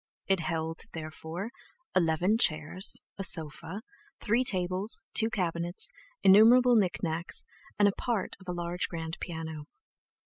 It held, therefore, eleven chairs, a sofa, three tables, two cabinets, innumerable knicknacks, and part of a large grand piano.